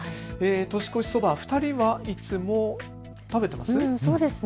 年越しそば、２人はいつも食べていますか。